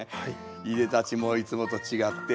いでたちもいつもと違って。